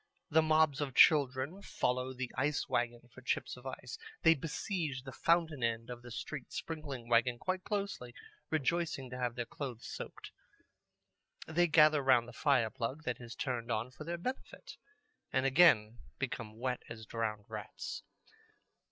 The mobs of children follow the ice wagon for chips of ice. They besiege the fountain end of the street sprinkling wagon quite closely, rejoicing to have their clothes soaked. They gather round the fire plug that is turned on for their benefit, and again become wet as drowned rats.